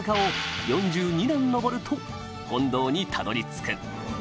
上ると本堂にたどり着く